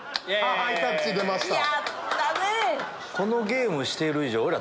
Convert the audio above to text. ハイタッチ出ました。